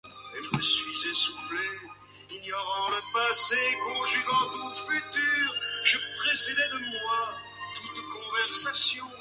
Son club était la Chicago Athletic Association.